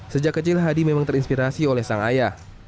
sejak kecil hadi memang terinspirasi oleh sang ayah